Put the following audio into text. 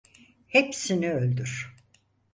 Hepsini öldür!